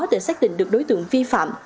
để xác định được đối tượng vi phạm